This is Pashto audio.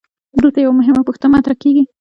دلته یوه مهمه پوښتنه مطرح کیږي.